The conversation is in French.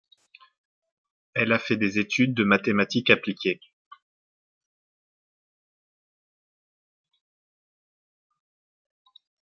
Elle a fait des études de mathématiques appliquées.